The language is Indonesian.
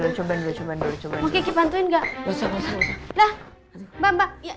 lah mbak mbak